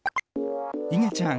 いげちゃん